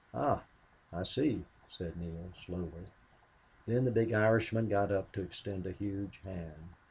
"Ah I see," said Neale, slowly. Then the big Irishman got up to extend a huge hand.